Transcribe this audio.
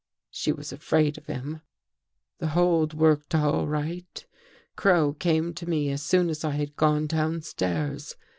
She was afraid of him. " The hold worked all right.^ Crow came to me as soon as I had gone downstairs.